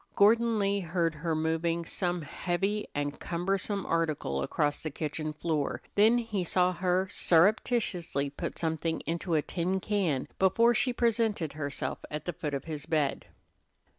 Gordon Lee heard her moving some heavy and cumbersome article across the kitchen floor, then he saw her surreptitiously put something into a tin can before she presented herself at the foot of his bed.